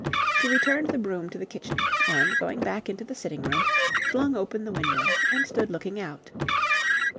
She returned the broom to the kitchen, and, going back into the sitting room, flung open the window and stood looking out.